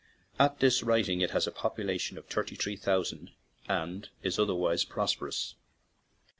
At this writing it has a population of thirty three thousand and is otherwise prosperous.